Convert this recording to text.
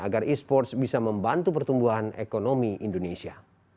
agar esports bisa membantu pertumbuhan ekonomi indonesia